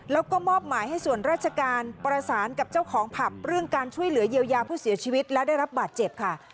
แล้วก็มอบหมายให้ส่วนราชการประสานกับเจ้าของผับเรื่องการช่วยเหลือเยียวยาผู้เสียชีวิตและได้รับบาดเจ็บค่ะ